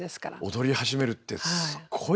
踊り始めるってすごいことですよね。